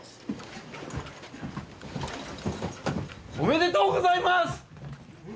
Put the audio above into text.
おめでとうございます！